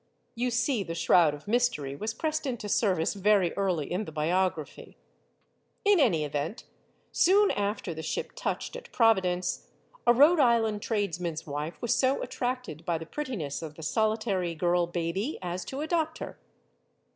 You see the shroud of mystery was pressed into service very early in the biography. In any event, soon after the ship touched at Provi dence, a Rhode Island tradesman's wife was so at tracted by the prettiness of the solitary girl baby as to adopt her.